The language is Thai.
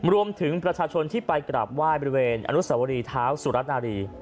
รวมถึงประชาชนที่ไปกราบไหว้บริเวณอนุสวรีเท้าสุรนารี